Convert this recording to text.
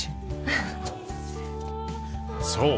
そう。